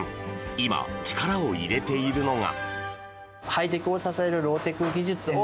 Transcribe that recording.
今、力を入れているのが。